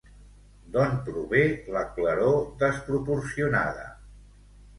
D'on prové la claror desproporcionada?